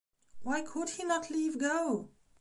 Why could he not leave go?